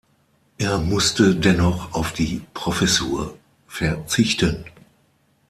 Er musste dennoch auf die Professur verzichten.